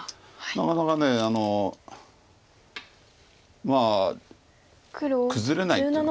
なかなかまあ崩れないっていうのかな。